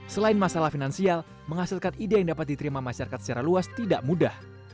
selain masalah finansial menghasilkan ide yang dapat diterima masyarakat secara luas tidak mudah